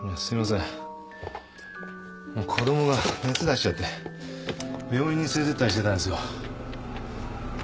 子供が熱出しちゃって病院に連れてったりしてたんですよ。